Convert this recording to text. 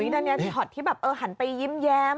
นั่นเนี่ยที่หันไปยิ้มแย้ม